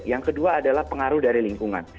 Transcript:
yang kedua adalah pengaruh dari lingkungan